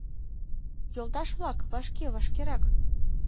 — Йолташ-влак, вашке, вашкерак!